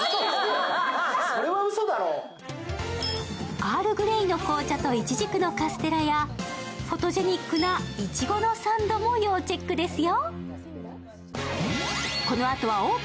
アールグレイの紅茶といちじくのカステラやフォトジェニックないちごのサンドも要チェックですよ。